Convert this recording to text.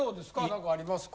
何かありますか？